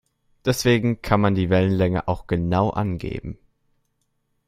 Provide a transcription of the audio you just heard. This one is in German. Deswegen kann man die Wellenlänge auch genau angeben.